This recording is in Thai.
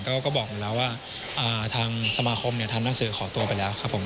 ก็บอกอยู่แล้วว่าทางสมาคมทำหนังสือขอตัวไปแล้วครับผม